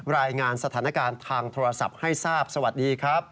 รายงานสถานการณ์ทางโทรศัพท์ให้ทราบสวัสดีครับ